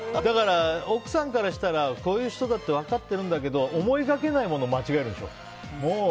奥さんからしたらこういう人だって分かってるんだけど思いがけないものを間違えるんでしょ。